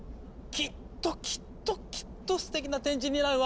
きっときっときっとすてきな展示になるわ。